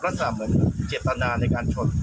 รัฐสรรค์เหมือนเจ็บตาหนาในการชด